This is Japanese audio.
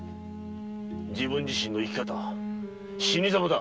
自分自身の生き方死にザマだ。